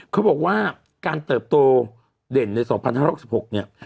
เขาบอกว่าการเติบโตเด่นใน๒๕๖๖เนี่ย